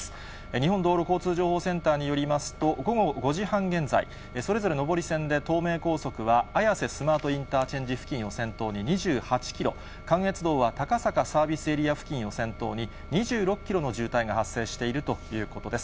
日本道路交通情報センターによりますと、午後５時半現在、それぞれ上り線で東名高速は、綾瀬スマートインターチェンジ付近を先頭に２８キロ、関越道は高坂サービスエリア付近を先頭に２６キロの渋滞が発生しているということです。